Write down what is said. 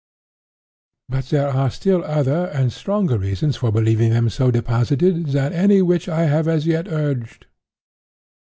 "But there are still other and stronger reasons for believing them so deposited, than any which I have as yet urged.